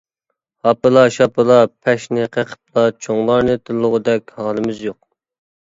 ھاپىلا-شاپىلا پەشنى قېقىپلا چوڭلارنى تىللىغۇدەك ھالىمىز يوق.